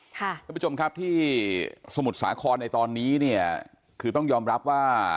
ท่านผู้ชมครับที่สมุทรสาครในตอนนี้เนี่ยคือต้องยอมรับว่า